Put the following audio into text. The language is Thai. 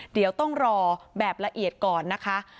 เดี๋ยวต้องรอแบบละเอียดก่อนนะคะ